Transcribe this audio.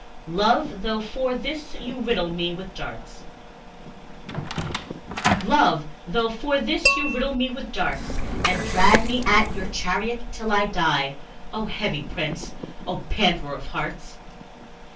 Love, though for this you riddle me with darts LOVE, though for this you riddle me with darts, And drag me at your charriot till I die, Oh, heavy prince! Oh, panderer of hearts!